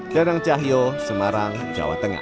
danang cahyo semarang jawa tengah